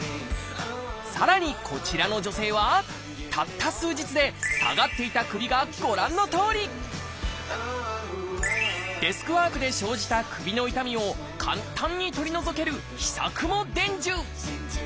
さらにこちらの女性はたった数日で下がっていた首がご覧のとおりデスクワークで生じた首の痛みを簡単に取り除ける秘策も伝授。